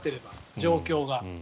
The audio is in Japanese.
状況が。